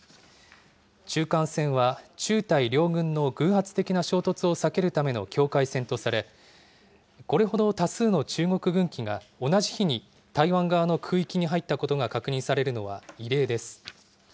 中間線は中台両軍の偶発的な衝突を避けるための境界線とされこれほど多数の中国軍機が同じ日に台湾側の空域に入ったことが確認されるのは異例です。